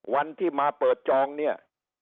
วันที่มาเปิดจองเนี่ย